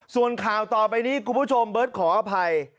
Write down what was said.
ส่วนข่าวต่อไปนี้คุณผู้ชมเบิร์ตขออภัย